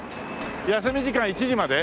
休み時間１時まで？